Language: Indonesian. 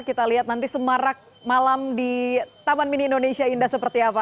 kita lihat nanti semarak malam di taman mini indonesia indah seperti apa